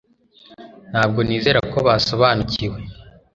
Ntabwo nizera ko basobanukiwe